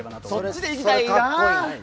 そっちで行きたいな！